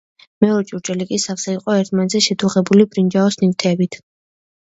მეორე ჭურჭელი კი სავსე იყო ერთმანეთზე შედუღებული ბრინჯაოს ნივთებით.